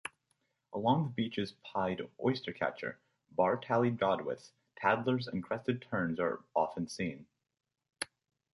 Along the beaches pied oystercatcher, bar-tailed godwits, tattlers and crested terns are often seen.